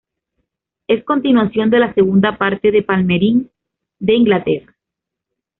Es continuación de la "Segunda parte de Palmerín de Inglaterra".